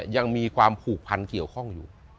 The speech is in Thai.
ยังมีความผูกพันเกี่ยวข้องอยู่